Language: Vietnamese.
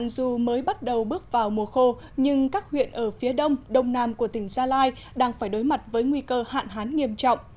dù mới bắt đầu bước vào mùa khô nhưng các huyện ở phía đông đông nam của tỉnh gia lai đang phải đối mặt với nguy cơ hạn hán nghiêm trọng